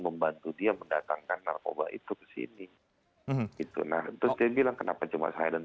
membantu dia mendatangkan narkoba itu ke sini itu nah terus dia bilang kenapa cuma saya dan